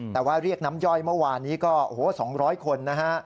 แต่ว่าเรียกน้ำย่อยเมื่อวานนี้ก็โอ้โห๒๐๐คนนะฮะ